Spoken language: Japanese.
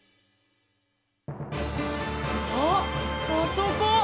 あっあそこ！